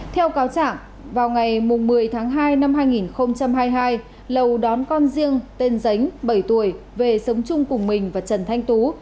theo cáo trạng vào ngày một mươi tháng hai năm hai nghìn hai mươi hai lầu đón con riêng tên giấynh bảy tuổi về sống chung cùng mình và trần thanh tú